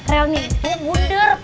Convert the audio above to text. railnya itu mundur